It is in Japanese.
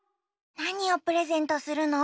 なにをプレゼントするの？